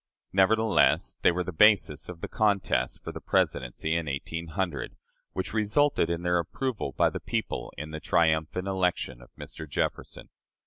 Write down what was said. Nevertheless, they were the basis of the contest for the Presidency in 1800, which resulted in their approval by the people in the triumphant election of Mr. Jefferson.